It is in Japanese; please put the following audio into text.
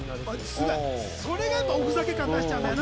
それがやっぱおふざけ感出しちゃうんだよな。